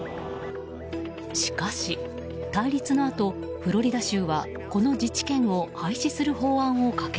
しかし対立のあと、フロリダ州はこの自治権を廃止する法案を可決。